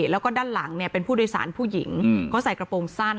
แล้วก็ด้านหลังเนี่ยเป็นผู้โดยสารผู้หญิงเขาใส่กระโปรงสั้น